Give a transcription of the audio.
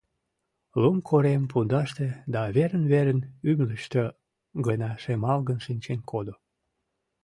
Лум корем пундаште да верын-верын ӱмылыштӧ гына шемалгын шинчен кодо.